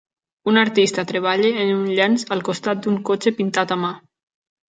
Un artista treballa en un llenç al costat d'un cotxe pintat a mà.